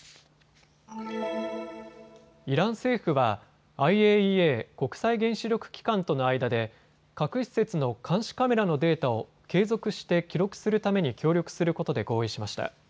イラン政府はＩＡＥＡ・国際原子力機関との間で核施設の監視カメラのデータを継続して記録するために協力することで合意しました。